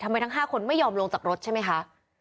ทั้ง๕คนไม่ยอมลงจากรถใช่ไหมคะ